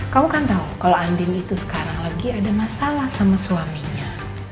kamu kan tahu kalau andin itu sekarang lagi ada masalah sama suaminya